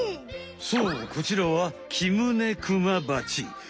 そうこちらはキムネクマバチ！